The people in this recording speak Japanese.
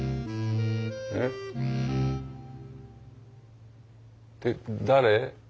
えっ？って誰？